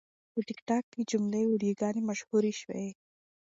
په ټیکټاک کې جعلي ویډیوګانې مشهورې شوې.